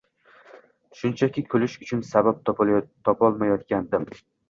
Shunchaki kulish uchun sabab topolmayotgandim.